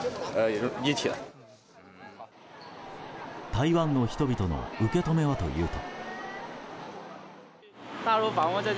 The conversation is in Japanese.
台湾の人々の受け止めはというと。